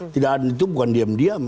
tidak ada itu bukan diam diam